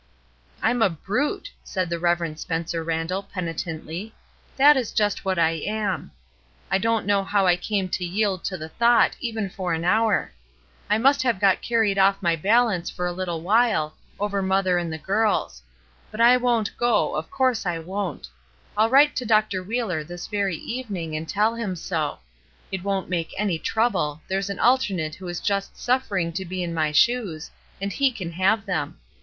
'' ''I'm a brute!" said the Rev. Spencer Randall, penitently, ''that is just what I am. I don't know how I came to yield to the thought even for an hour; I must have got carried off my balance for a little while, over mother and the girls; but I won't go, of course I won't. I'll write to Dr. Wheeler this very evenmg and tell him so ; it won't make any trouble, there's an alternate who is just suffering to be in my shoes, and he can have them.